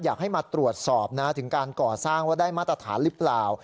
อยากให้มาตรวจสอบนะถึงการก่อสร้างว่าได้มาตรฐานหรือเปล่า